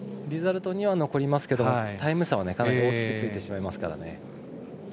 リザルトには残りますがタイム差はかなり大きくついてしまいますからね。